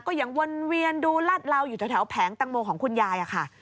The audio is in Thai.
ก็ยังวนเวียนดูลาดเหลาอยู่แถวแผงตังโมของคุณยายค่ะ